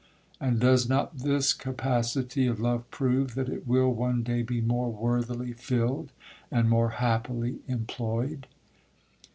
And does not this capacity of love prove that it will one day be more worthily filled, and more happily employed.